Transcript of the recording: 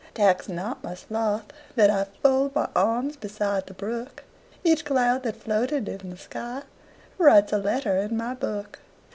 Tax not my sloth that IFold my arms beside the brook; Each cloud that floated in the skyWrites a letter in my book.